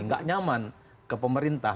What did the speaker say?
nggak nyaman ke pemerintah